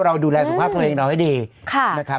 เราดูแลสุขภาพตัวเองเราให้ดีนะครับ